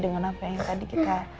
dengan apa yang tadi kita